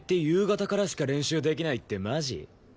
夕方からしか練習できないってマジ？